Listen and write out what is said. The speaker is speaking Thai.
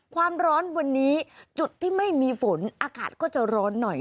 ความร้อนวันนี้จุดที่ไม่มีฝนอากาศก็จะร้อนหน่อย